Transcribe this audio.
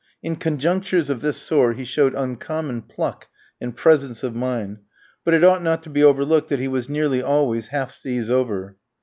In conjunctures of this sort he showed uncommon pluck and presence of mind; but it ought not to be overlooked that he was nearly always half seas over.